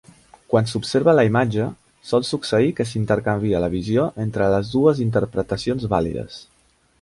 Quan s'observa la imatge, sol succeir que s'intercanvia la visió entre les dues interpretacions vàlides.